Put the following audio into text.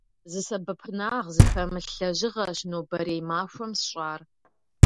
Зы сэбэпынагъ зыхэмылъ лэжьыгъэщ нобэрей махуэм сщӏар.